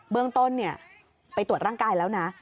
เบื้องต้นไปตรวจร่างกายแล้วนะ